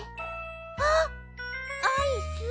あっアイス！